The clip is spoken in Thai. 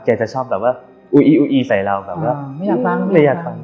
จะชอบแบบว่าอูอีอูอีใส่เราแบบว่าไม่อยากฟังไม่อยากฟัง